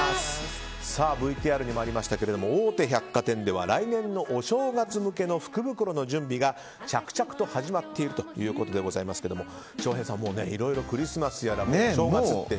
ＶＴＲにもありましたけれども大手百貨店では来年のお正月向けの福袋の準備が着々と始まっているということですが翔平さん、いろいろクリスマスやらお正月って。